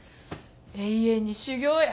永遠に修業や。